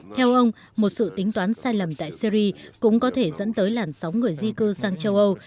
theo ông một sự tính toán sai lầm tại syri cũng có thể dẫn tới làn sóng người di cư sang châu âu